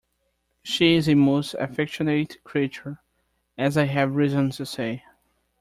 She is a most affectionate creature, as I have reason to say.